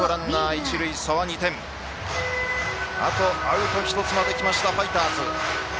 あとアウト１つまできましたファイターズ。